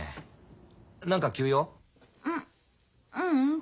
うううん。